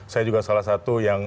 saya juga salah satu yang